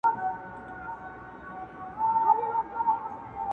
وخت چي له هر درد او له هر پرهاره مچه اخلي